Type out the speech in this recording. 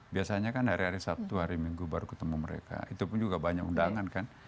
biasanya kan hari hari sabtu hari minggu baru ketemu mereka itu pun juga banyak undangan kan